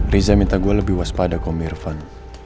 riza minta gue lebih waspada kom irfan